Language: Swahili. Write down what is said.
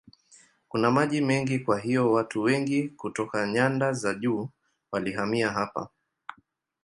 Kuna maji mengi kwa hiyo watu wengi kutoka nyanda za juu walihamia hapa.